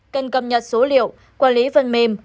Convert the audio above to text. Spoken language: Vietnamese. cần cập nhật số liệu quản lý phần mềm